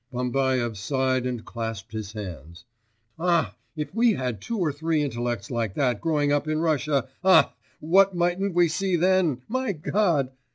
Bambaev sighed and clasped his hands. 'Ah, if we had two or three intellects like that growing up in Russia, ah, what mightn't we see then, my God!